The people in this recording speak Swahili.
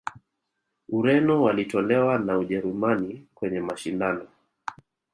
ureno walitolewa na ujerumani kwenye mashindano